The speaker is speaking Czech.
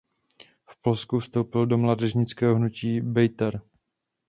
V Polsku vstoupil do mládežnického hnutí Bejtar.